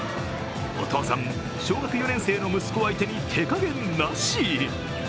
お父さん、小学４年生の息子相手に手加減なし。